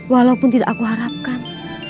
walaupun tidak aku harapkan